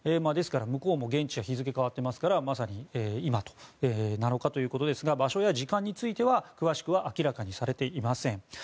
ですから向こうも現地は日付が変わっていますからまさに７日ということですが場所や時間については、詳しくは明らかにされていません。